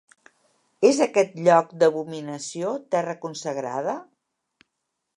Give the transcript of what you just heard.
És aquest lloc d'abominació terra consagrada?